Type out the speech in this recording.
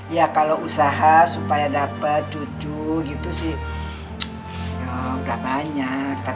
ya kalau usaha supaya dapat cucu gitu sih udah banyak